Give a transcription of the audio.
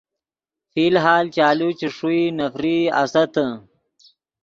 فی الحال چالو چے ݰوئی نفرئی آستّے۔